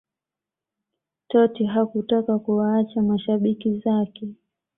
Totti hakutaka kuwaacha mashabiki zake